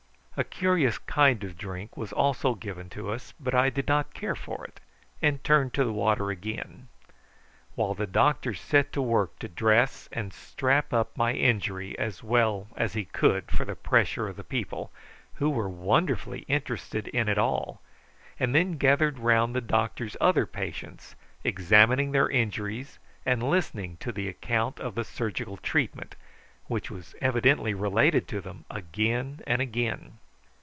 A curious kind of drink was also given to us, but I did not care for it, and turned to the water again; while the doctor set to work to dress and strap up my injury as well as he could for the pressure of the people, who were wonderfully interested in it all, and then gathered round the doctor's other patients, examining their injuries, and listening to the account of the surgical treatment, which was evidently related to them again and again.